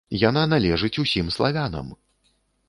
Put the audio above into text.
Яна належыць усім славянам!